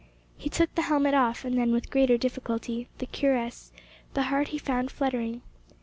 He took the helmet off, and then, with greater difficulty, the cuirass; the heart he found fluttering.